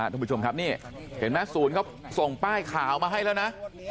ทุกผู้ชมครับนี่เห็นไหมศูนย์เขาส่งป้ายขาวมาให้แล้วนะ